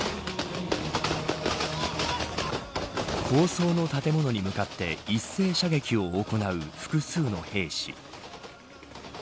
高層の建物に向かって一斉射撃を行う複数の兵士。